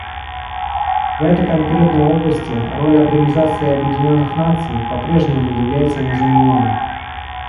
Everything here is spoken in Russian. В этой конкретной области роль Организации Объединенных Наций по-прежнему является незаменимой.